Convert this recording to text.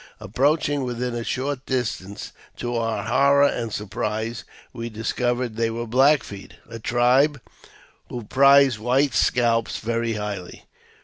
Approaching within a short distance, to our horror and surprise we discovered they were Black Feet — a tribe who prize white scalps very highly.